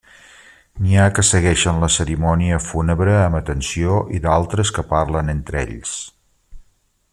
N'hi ha que segueixen la cerimònia fúnebre amb atenció i d'altres que parlen entre ells.